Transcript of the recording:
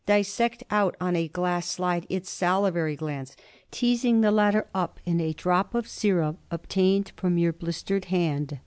Dissect out on a glass slide its salivary glands, teasing the latter up in a drop of serum obtained from your blistered hand.